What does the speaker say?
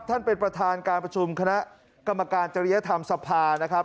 ท่านประธานเป็นประธานการประชุมคณะกรรมการจริยธรรมสภานะครับ